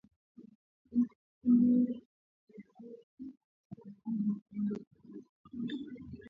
Kifo cha ghafla cha ngamia hutokea katika mlipuko wa ugonjwa huu